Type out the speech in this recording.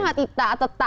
kenapa gak tita atau ta